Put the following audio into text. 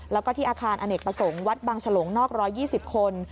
แล้วก็ที่อาคารอเนกประสงค์วัดบังฉลงนอก๑๒๐คน